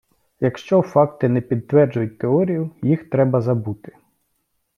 Якщо факти не підтверджують теорію, їх треба забути.